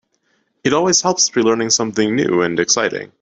It always helps to be learning something new and exciting.